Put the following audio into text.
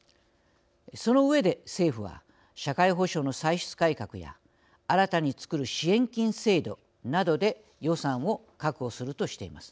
その上で政府は社会保障の歳出改革や新たに作る支援金制度などで予算を確保するとしています。